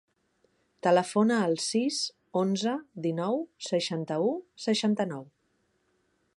Telefona al sis, onze, dinou, seixanta-u, seixanta-nou.